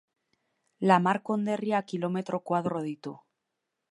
Lamar konderriak kilometro koadro ditu.